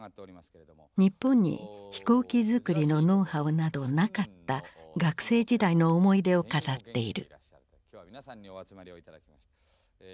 日本に飛行機づくりのノウハウなどなかった学生時代の思い出を語っている。